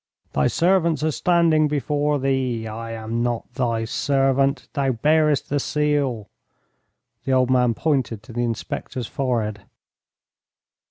"Thy servants are standing before thee. I am not thy servant. Thou bearest the seal " The old man pointed to the inspector's forehead.